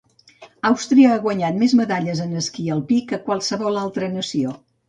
Austria ha guanyat més medalles en esquí alpí que qualsevol altre nació.